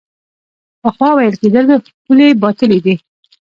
پخوا ویل کېدل پولې باطلې دي.